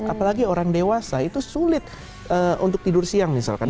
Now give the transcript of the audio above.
apalagi orang dewasa itu sulit untuk tidur siang misalkan